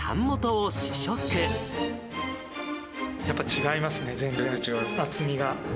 やっぱり違いますね、全然厚みが。